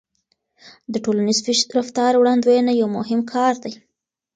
د ټولنیز رفتار وړاندوينه یو مهم کار دی.